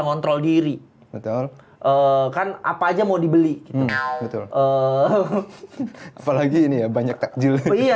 ngontrol diri betul kan apa aja mau dibeli gitu apalagi ini ya banyak takjil